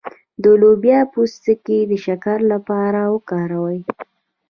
د لوبیا پوستکی د شکر لپاره وکاروئ